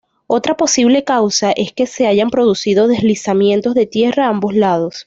Otra posible causa, es que se hayan producido deslizamientos de tierra a ambos lados.